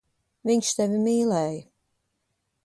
Viņš tevi mīlēja.